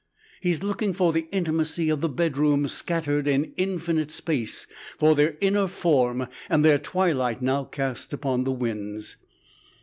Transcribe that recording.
He is looking for the intimacy of the bedrooms scattered in infinite space, for their inner form and their twilight now cast upon the winds!